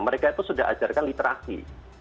mereka itu sudah ajarkan literasi